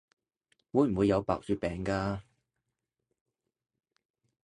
會唔會有白血病㗎？